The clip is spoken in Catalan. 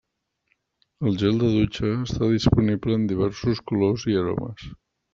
El gel de dutxa està disponible en diversos colors i aromes.